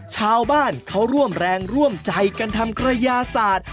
ชาวบ้านเขาร่วมแรงร่วมใจกันทำกระยาศาสตร์